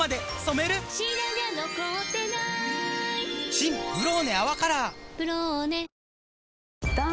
新「ブローネ泡カラー」「ブローネ」